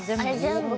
全部。